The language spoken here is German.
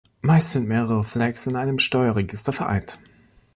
Meist sind mehrere Flags in einem Steuerregister vereint.